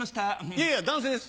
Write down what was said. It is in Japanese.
いやいや男性です。